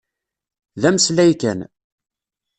D ameslay kan.